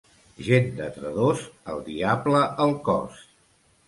Gent de Tredòs, el diable al cos.